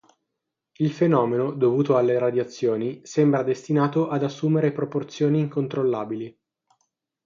Il fenomeno, dovuto alle radiazioni, sembra destinato ad assumere proporzioni incontrollabili.